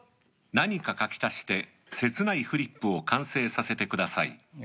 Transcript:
何か書き足して切ないフリップを完成させてください。